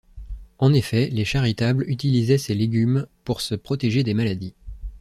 En effet, les Charitables utilisaient ces légumes pour se protéger des maladies.